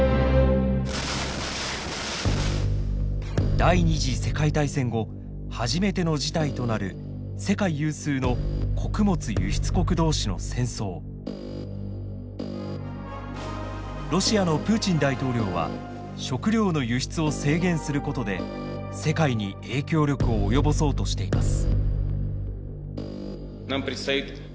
第２次世界大戦後初めての事態となる世界有数のロシアのプーチン大統領は食料の輸出を制限することで世界に影響力を及ぼそうとしています。